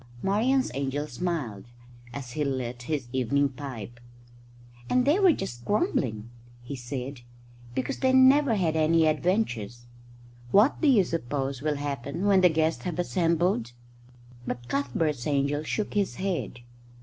Marian's angel smiled as he lit his evening pipe. "And they were just grumbling," he said, "because they never had any adventures. What do you suppose will happen when the guests have assembled?" But Cuthbert's angel shook his head.